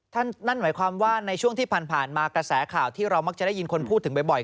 นั่นหมายความว่าในช่วงที่ผ่านมากระแสข่าวที่เรามักจะได้ยินคนพูดถึงบ่อย